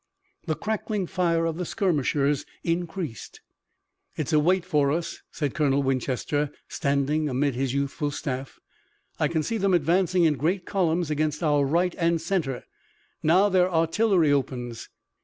The crackling fire of the skirmishers increased. "It's a wait for us," said Colonel Winchester, standing amid his youthful staff. "I can see them advancing in great columns against our right and center. Now their artillery opens!"